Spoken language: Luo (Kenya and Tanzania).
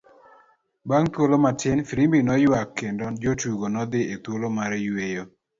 Bang' thuolo matin, firimbi noyuak kendo jotugo nodhi e thuolo mar yueyo.